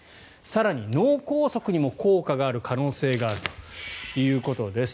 更に、脳梗塞にも効果がある可能性があるということです。